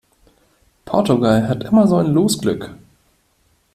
Portugal hat immer so ein Losglück!